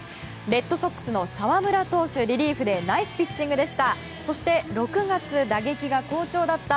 レッドソックスの澤村投手リリーフでナイスピッチングでした。